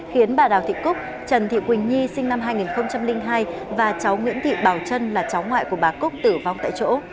khiến bà đào thị cúc trần thị quỳnh nhi sinh năm hai nghìn hai và cháu nguyễn thị bảo trân là cháu ngoại của bà cúc tử vong tại chỗ